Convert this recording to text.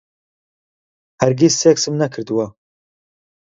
هەرگیز سێکسم نەکردووە.